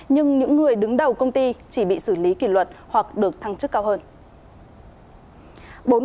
nhưng những người đứng đầu công ty chỉ bị xử lý kỷ luật hoặc được thăng chức cao hơn